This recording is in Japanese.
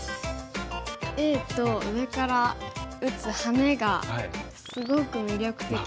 Ａと上から打つハネがすごく魅力的に。